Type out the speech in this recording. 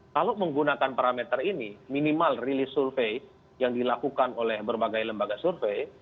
kalau menggunakan parameter ini minimal rilis survei yang dilakukan oleh berbagai lembaga survei